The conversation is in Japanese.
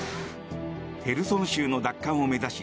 ヘルソン州の奪還を目指し